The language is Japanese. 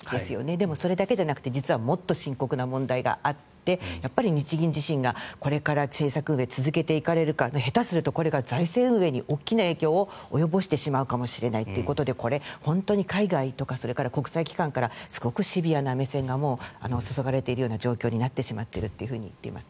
でも、それだけじゃなくて実はもっと深刻な問題があって日銀自身がこれから政策を続けていかれるか下手するとこれが財政運営に大きな影響を及ぼしてしまうかもしれないということでこれ、本当に海外とか国際機関からすごくシビアな視線が注がれているような状況になってしまっています。